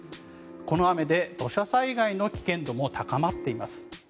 この雨で土砂災害の危険度も高まっています。